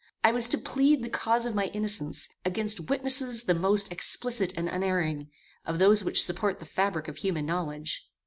I was to plead the cause of my innocence, against witnesses the most explicit and unerring, of those which support the fabric of human knowledge.